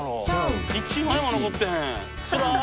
一枚も残ってへん。